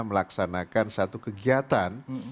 melaksanakan satu kegiatan